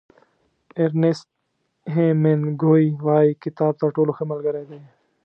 ارنیست هېمېنګوی وایي کتاب تر ټولو ښه ملګری دی.